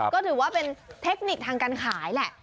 ก็ถือว่าเป็นเทคนิคทางการขายแหละ